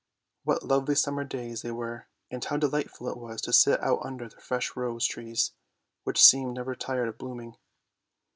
What lovely summer days they were, and how delightful it was to sit out under the fresh rose trees, which seemed never tired of blooming.